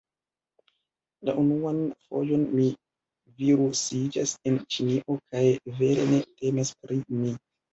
La unuan fojon - mi virusiĝas en Ĉinio, kaj, vere ne temas pri mi...